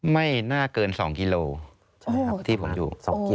ไม่น่าเกินสองกิโลที่ผมอยู่